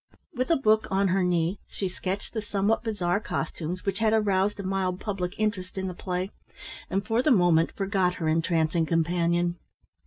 With a book on her knee she sketched the somewhat bizarre costumes which had aroused a mild public interest in the play, and for the moment forgot her entrancing companion.